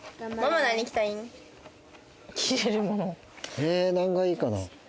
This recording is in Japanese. え何がいいかな？